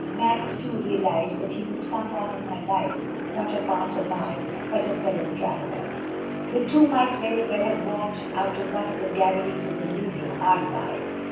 Max, too, realised that he was some one in her life, not a passer by, but a fellow traveller. The two might very well have walked out of one of the galleries of the Louvre hard by.